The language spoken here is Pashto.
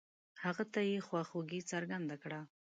هغه ته يې خواخوږي څرګنده کړه.